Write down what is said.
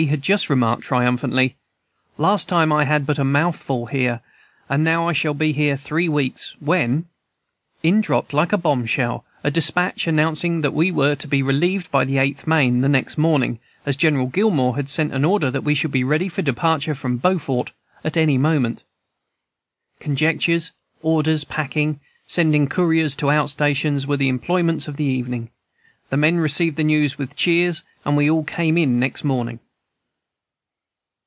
had just remarked triumphantly, 'Last time I had but a mouthful here, and now I shall be here three weeks' when "In dropped, like a bombshell, a despatch announcing that we were to be relieved by the Eighth Maine, the next morning, as General Gillmore had sent an order that we should be ready for departure from Beaufort at any moment. "Conjectures, orders, packing, sending couriers to out stations, were the employments of the evening; the men received the news with cheers, and we all came in next morning."